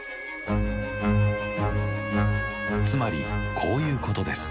つまりこういうことです。